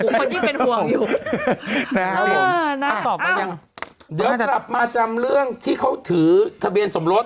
คนที่เป็นห่วงอยู่เออน่ะอ้าวอ้าวเดี๋ยวกลับมาจำเรื่องที่เขาถือทะเบียนสมรส